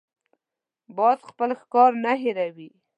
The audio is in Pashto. باز خپل ښکار نه هېروي